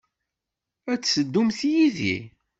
Ad d-teddumt yid-i?